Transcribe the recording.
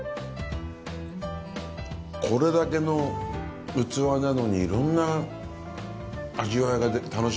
これだけの器なのにいろんな味わいが楽しめますね。